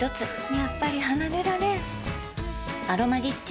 やっぱり離れられん「アロマリッチ」